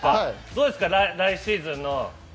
どうですか、来シーズンの。